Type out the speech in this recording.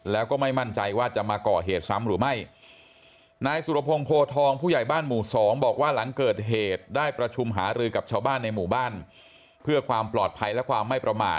แล้วก็ไม่มั่นใจว่าจะมาก่อเหตุสามารถหรือไม่